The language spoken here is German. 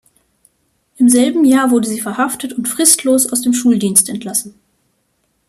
Im selben Jahr wurde sie verhaftet und fristlos aus dem Schuldienst entlassen.